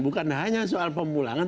bukan hanya soal pemulangan